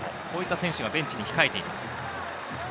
こういった選手がベンチに控えています。